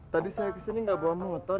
tadi saya kesini nggak bawa motor ya tak